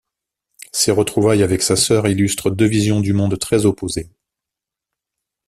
Ces retrouvailles avec sa sœur illustrent deux visions du monde très opposées.